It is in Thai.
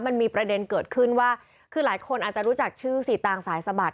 มันมีประเด็นเกิดขึ้นว่าคือหลายคนอาจจะรู้จักชื่อสีตางสายสะบัด